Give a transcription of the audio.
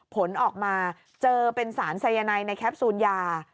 ผลออกมาเจอเป็นสารสายนายในแคปซูลยา